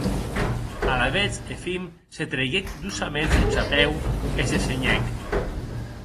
Alavetz Efim se treiguec doçaments eth chapèu e se senhèc.